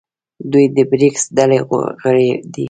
دوی د بریکس ډلې غړي دي.